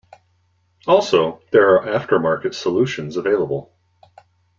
Also, there are aftermarket solutions available.